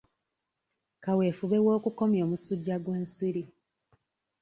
Kaweefube w'okukomya omusujja gw'ensiri